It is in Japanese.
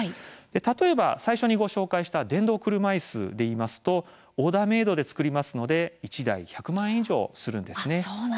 例えば最初にご紹介した電動車いすでいいますとオーダーメードで作りますので１台１００万円以上するんです。